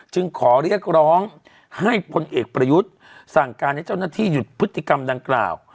จึงขอเรียกร้องให้พลเอกประยุทธ์สั่งการให้เจ้าหน้าที่หยุดพฤติกรรมดังกล่าว